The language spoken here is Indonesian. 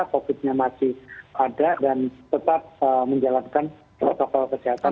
covid nya masih ada dan tetap menjalankan protokol kesehatan